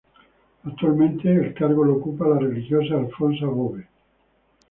Actualmente el cargo lo ocupa la religiosa Alfonsa Bove.